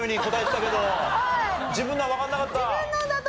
自分のはわからなかった？